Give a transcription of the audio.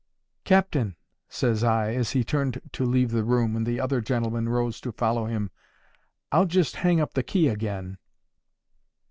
—"Captain," says I, as he turned to leave the room, and the other gentlemen rose to follow him, "I'll just hang up the key again."